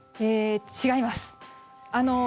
違います。